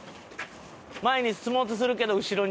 前に進もうとするけど後ろに。